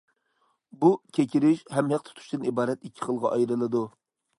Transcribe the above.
بۇ كېكىرىش ھەم ھېق تۇتۇشتىن ئىبارەت ئىككى خىلغا ئايرىلىدۇ.